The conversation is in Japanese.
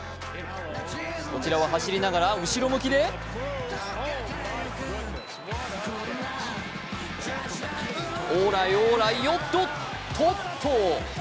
こちらは走りながら後ろ向きでオーライ、オーライ、イヨッと、トッ、トッ。